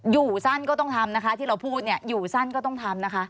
อยู่สั้นก็ต้องทำนะคะที่เราพูดเนี่ยอยู่สั้นก็ต้องทำนะคะ